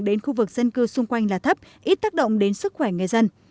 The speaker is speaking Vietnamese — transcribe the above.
đến khu vực dân cư xung quanh là thấp ít tác động đến sức khỏe người dân